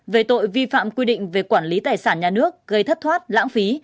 về tội vi phạm quy định về quản lý tài sản nhà nước gây thất thoát lãng phí